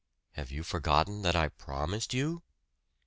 "Have you forgotten that I promised you?"